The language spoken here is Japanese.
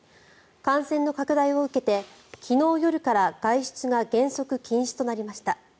感染の拡大を受けて、昨日夜から外出が原則禁止となりました。